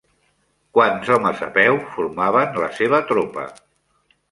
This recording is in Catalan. Quants homes a peu formaven la seva tropa?